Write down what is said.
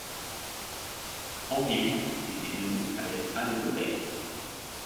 Henri huit était venu avec Anne Boleyn.